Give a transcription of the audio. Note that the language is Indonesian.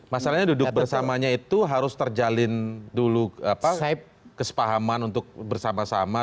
masalahnya duduk bersamanya itu harus terjalin dulu kesepahaman untuk bersama sama